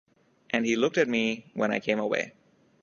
And he looked at me when I came away!